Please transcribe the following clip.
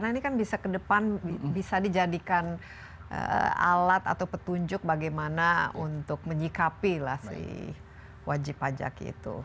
nah ini kan bisa ke depan bisa dijadikan alat atau petunjuk bagaimana untuk menyikapi lah si wajib pajak itu